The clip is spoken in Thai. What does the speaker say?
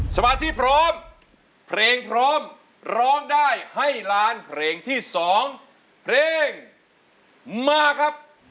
สมาธิพร้อมเพลงพร้อมร้องได้ให้ล้านเพลงที่๒เพลงมาครับ